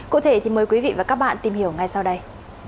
cụ thể thì mời quý vị và các bạn tìm hiểu ngay sau đây